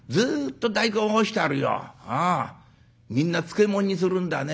みんな漬物にするんだね。